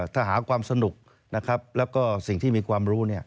ถ้าหาความสนุกนะครับแล้วก็สิ่งที่มีความรู้